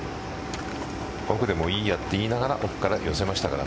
奥でもいいやと言いながらここから寄せましたから。